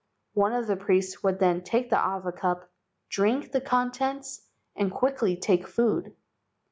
One of the priests would then take the awa cup, drink the contents, and quickly take food.